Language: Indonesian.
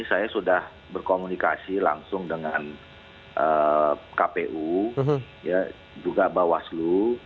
saya sudah berkomunikasi langsung dengan kpu juga bawaslu